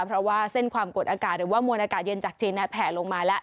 เพราะว่าเส้นความกดอากาศหรือว่ามวลอากาศเย็นจากจีนแผลลงมาแล้ว